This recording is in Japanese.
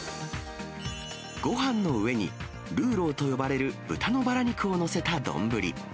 ごはんの上にルーローと呼ばれる豚のバラ肉を載せた丼。